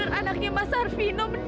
benar benar anaknya mas arvino